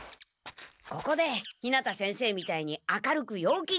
ここで日向先生みたいに明るく陽気に。